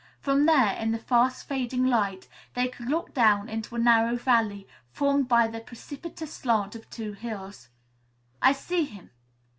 From there, in the fast fading light, they could look down into a narrow valley, formed by the precipitous slant of two hills. "I see him."